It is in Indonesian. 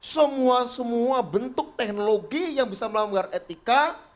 semua semua bentuk teknologi yang bisa melanggar etika